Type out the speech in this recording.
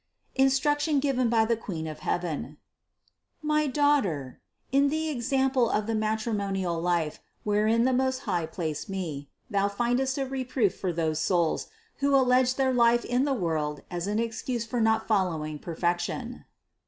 INSTRUCTION GIVEN BY THE QUEEN OF HEAVEN. 770. My daughter, in the example of the matrimonial life wherein the Most High placed me, thou findest a reproof for those souls, who allege their life in the world as an excuse for not following perfection.